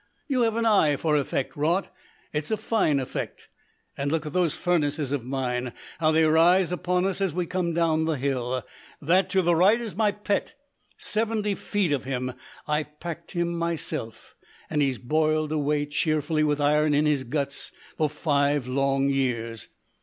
You have an eye for effect, Raut. It's a fine effect. And look at those furnaces of mine, how they rise upon us as we come down the hill. That to the right is my pet seventy feet of him. I packed him myself, and he's boiled away cheerfully with iron in his guts for five long years.